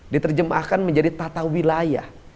diterjemahkan menjadi tata wilayah